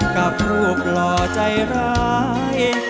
กับรูปหล่อใจร้าย